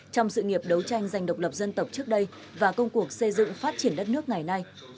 trong sự nghiệp đấu tranh giành độc lập dân tộc trước đây và công cuộc xây dựng phát triển đất nước ngày nay